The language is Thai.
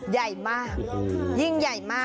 ใหญ่มากยิ่งใหญ่มาก